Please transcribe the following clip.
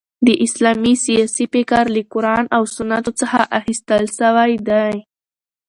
د اسلامی سیاسي فکر له قران او سنتو څخه اخیستل سوی دي.